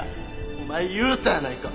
お前言うたやないか。